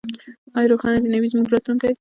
آیا روښانه دې نه وي زموږ راتلونکی؟